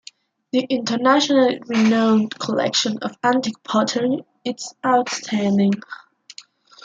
The internationally renowned collection of antique pottery is outstanding.